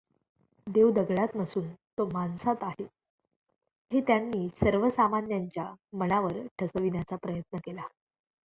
देव दगडात नसून तो माणसांत आहे हे त्यांनी सर्वसामान्यांच्या मनावर ठसविण्याचा प्रयत् न केला.